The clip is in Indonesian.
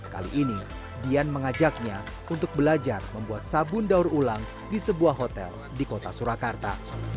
kali ini dian mengajaknya untuk belajar membuat sabun daur ulang di sebuah hotel di kota surakarta